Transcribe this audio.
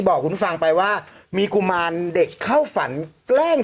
โอเคโอเคโอเคโอเคโอเคโอเคโอเคโอเค